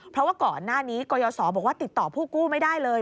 เพราะว่าก่อนหน้านี้กรยศบอกว่าติดต่อผู้กู้ไม่ได้เลย